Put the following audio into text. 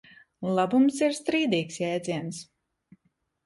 Labums ir strīdīgs jēdziens.